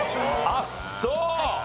あっそう！